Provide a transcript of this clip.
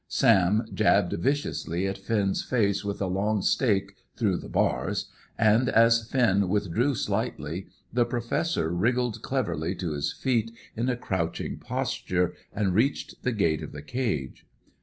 Sam jabbed viciously at Finn's face with a long stake, through the bars, and as Finn withdrew slightly, the Professor wriggled cleverly to his feet, in a crouching posture, and reached the gate of the cage.